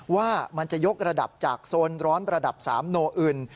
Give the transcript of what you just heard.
ว่ามันจะยกระดับจากโซนร้อนประดับ๓โนอึน